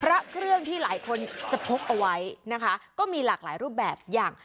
พระเครื่องที่หลายคนจะพกเอาไว้นะคะก็มีหลากหลายรูปแบบอย่าง